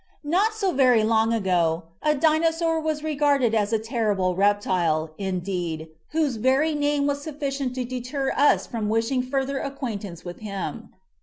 4 :^:~ OT so very long ago a Dinosaur was regarded as a terrible reptile, in deed, whose very name was *"'>':^''.' sufficient to deter us from wishing further acquaintance with him.